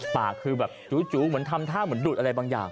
ปากคือแบบจูเหมือนทำท่าเหมือนดูดอะไรบางอย่าง